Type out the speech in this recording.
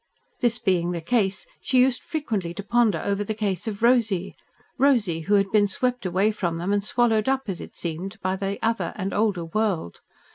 This being the case, she used frequently to ponder over the case of Rosy Rosy! who had been swept away from them and swallowed up, as it seemed, by that other and older world.